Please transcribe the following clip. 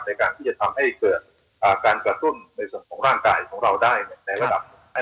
ในการที่จะทำให้เกิดการกระตุ้นในส่วนของร่างกายของเราได้ในระดับ